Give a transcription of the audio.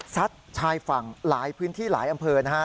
ซัดทายฝั่งหลายพื้นที่หลายอำเภอนะครับ